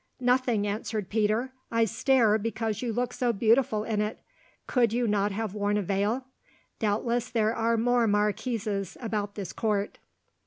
"Nothing," answered Peter. "I stare because you look so beautiful in it. Could you not have worn a veil? Doubtless there are more marquises about this court."